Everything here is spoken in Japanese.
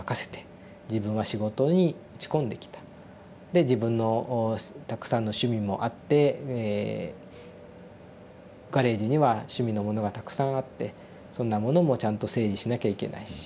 で自分のたくさんの趣味もあってガレージには趣味のものがたくさんあってそんなものもちゃんと整理しなきゃいけないし。